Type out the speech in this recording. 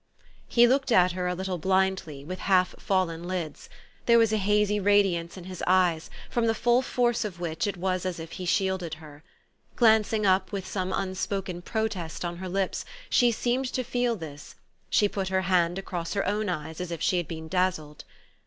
He looked at her a little blindly, with half fallen lids : there was a hazy radiance in his eyes, from the full force of which it was as if he shielded her. Glancing up with some unspoken protest on her lips, she seemed to feel this ; she put her hand across her own eyes as if she had been dazzled.